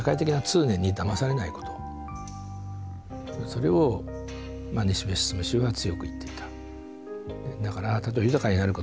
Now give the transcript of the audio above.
それを西部邁氏は強く言っていた。